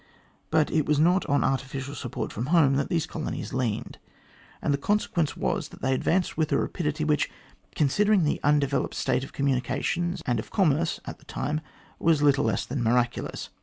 But it was not on artificial support from home that these colonies leaned, and the consequence was that they advanced with a rapidity which, considering the undeveloped state of communications and of commerce at the time, was little less than miraculous.